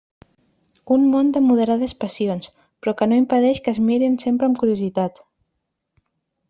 Un món de moderades passions, però que no impedeix que es miren sempre amb curiositat.